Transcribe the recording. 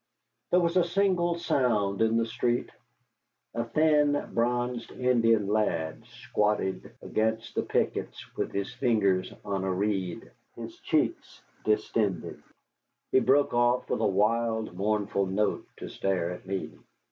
There was a single sound in the street. A thin, bronzed Indian lad squatted against the pickets with his fingers on a reed, his cheeks distended. He broke off with a wild, mournful note to stare at me.